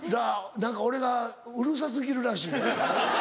何か俺がうるさ過ぎるらしいねん。